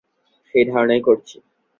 সেই ধারণাই করছি।